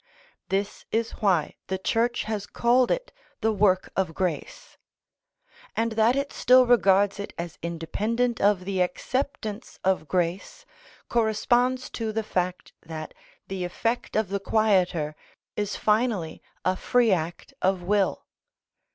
This is why the Church has called it the work of grace; and that it still regards it as independent of the acceptance of grace corresponds to the fact that the effect of the quieter is finally a free act of will.